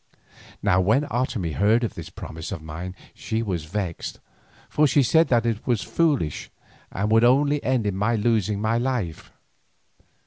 Now when Otomie heard of this promise of mine she was vexed, for she said that it was foolish and would only end in my losing my life.